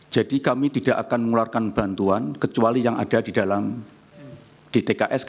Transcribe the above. jadi kami tidak akan mengeluarkan bantuan kecuali yang ada di dalam di tks